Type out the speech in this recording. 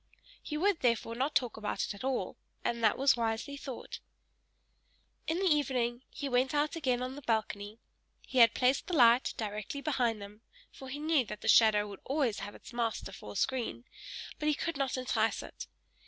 He would, therefore, not talk about it at all; and that was wisely thought. *Peter Schlemihl, the shadowless man. In the evening he went out again on the balcony. He had placed the light directly behind him, for he knew that the shadow would always have its master for a screen, but he could not entice it.